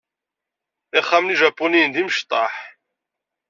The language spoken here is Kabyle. Ixxamen ijapuniyen d imecṭuḥen.